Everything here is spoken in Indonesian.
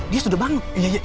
tidak aku mau ke sana